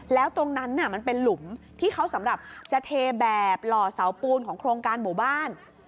แล้วตรงนั้นน่ะมันเป็นหลุมที่เขาสำหรับจะเทแบบหล่อเสาปูนของโครงการหมู่บ้าน